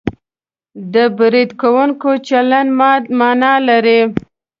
د برید کوونکي چلند مانا لري